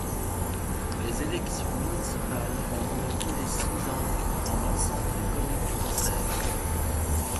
Les élections municipales ont lieu tous les six ans dans l'ensemble des communes françaises.